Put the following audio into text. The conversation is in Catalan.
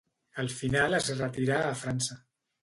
Al final es retirà a França.